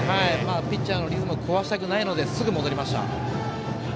ピッチャーのリズムを壊したくないのですぐに戻りました。